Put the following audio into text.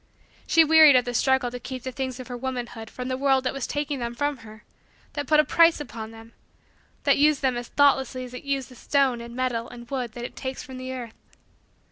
She wearied of the struggle to keep the things of her womanhood from the world that was taking them from her that put a price upon them that used them as thoughtlessly as it uses the stone and metal and wood that it takes from the earth.